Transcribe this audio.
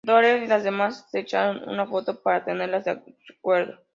Doremi y las demás se echaron una foto para tenerlas de recuerdo.